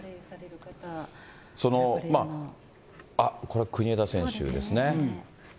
あっ、これ、国枝選手ですね。